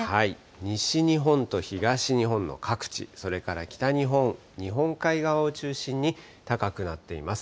西日本と東日本の各地、それから北日本、日本海側を中心に、高くなっています。